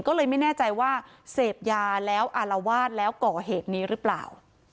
ก็เลยไม่แน่ใจว่าเสพยาแล้วอารวาสแล้วก่อเหตุนี้หรือเปล่า